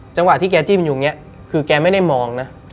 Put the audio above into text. จังหวะที่แกจิ้มอยู่อย่างนี้คือแกไม่ได้มองนะ